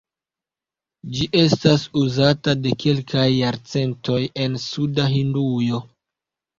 Ĝi estas uzata de kelkaj jarcentoj en suda Hindujo.